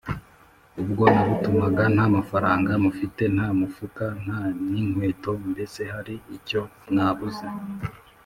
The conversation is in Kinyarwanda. “ubwo nabatumaga nta mafaranga mufite, nta mufuka nta n’inkweto, mbese hari icyo mwabuze?